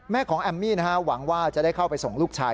ของแอมมี่หวังว่าจะได้เข้าไปส่งลูกชาย